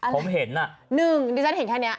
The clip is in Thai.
ผมเห็นน่ะ๑ดิฉันเห็นแค่เนี่ย